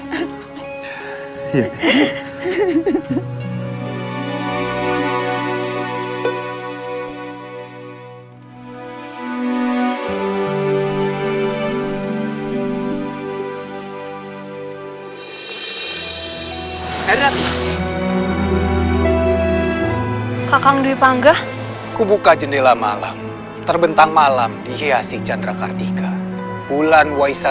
kakang dwi pangga kubuka jendela malam terbentang malam dihiasi chandra kartika bulan waisa